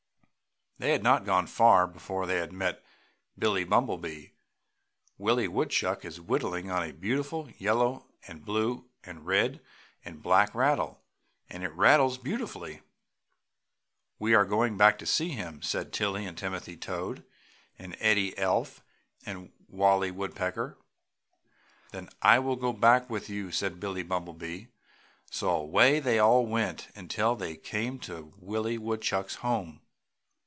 They had not gone far before they met Billie Bumblebee. "Willie Woodchuck is whittling on a beautiful yellow and blue and red and black rattle and it rattles beautifully." "We are going back to see him!" said Tilly and Timothy Toad and Eddie Elf and Gerty Gartersnake and Wallie Woodpecker. "Then I will go back with you!" said Billie Bumblebee, so away they all went until they came to Willie Woodchuck's home.